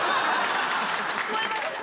聞こえました？